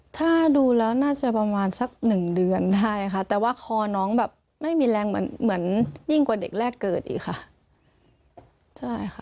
ถ้าดูแล้วน่าจะประมาณสักหนึ่งเดือนได้ค่ะแต่ว่าคอน้องแบบไม่มีแรงเหมือนยิ่งกว่าเด็กแรกเกิดอีกค่ะใช่ค่ะ